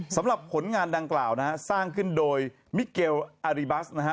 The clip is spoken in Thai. สำหรับผลงานดังกล่าวนะฮะสร้างขึ้นโดยมิเกลอารีบัสนะฮะ